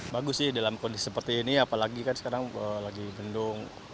bagus sih dalam kondisi seperti ini apalagi kan sekarang lagi bendung